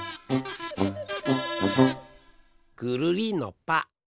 くるりんのぱ！